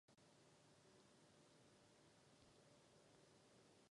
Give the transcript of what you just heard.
Týmy reprezentující Japonsko a Argentinu jsou každý přiřazen do jedné africké konference.